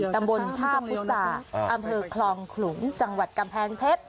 ตำบลท่าพุษาอำเภอคลองขลุงจังหวัดกำแพงเพชร